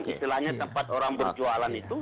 istilahnya tempat orang berjualan itu